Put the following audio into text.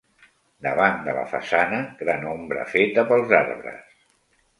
Davant de la façana, gran ombra feta pels arbres.